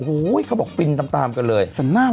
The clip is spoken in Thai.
โอ้โหเขาบอกฟินตามกันเลย